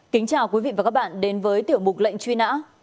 kính chào quý vị và các bạn đến với tiểu mục lệnh truy nã